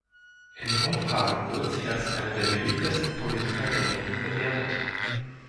In Umfragen wird sie als eine der beliebtesten Politiker der Linken bewertet.